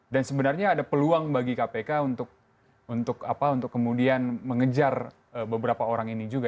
dan sebenarnya ada peluang bagi kpk untuk kemudian mengejar beberapa orang ini juga